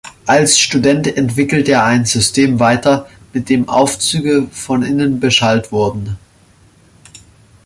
Als Student entwickelte er ein System weiter, mit dem Aufzüge von innen beschallt wurden.